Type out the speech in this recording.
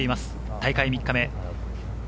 大会３日目。